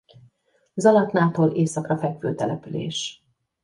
Zalatnától északra fekvő település.